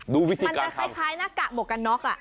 มันจะคล้ายหน้ากากหมวกกันน็อก